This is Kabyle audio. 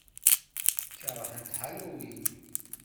Keṛhent Halloween.